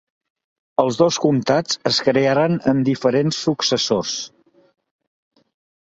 Els dos comtats es crearen amb diferents successors.